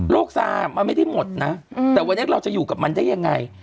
ซามันไม่ได้หมดนะแต่วันนี้เราจะอยู่กับมันได้ยังไง